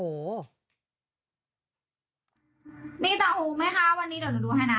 มีต่ออีกไหมคะวันนี้เดี๋ยวหนูดูให้นะ